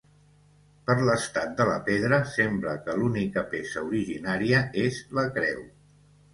Per l'estat de la pedra sembla que l'única peça originària és la creu.